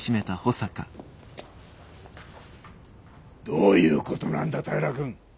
どういうことなんだ平君！